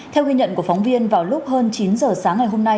theo ghi nhận của phóng viên vào lúc hơn chín giờ sáng ngày hôm nay